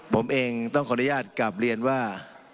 ผมเองต้องขออนุญาตกลับเรียนว่า